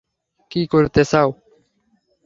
কী করতে চাও!